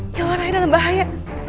nyawa rai dalam bahaya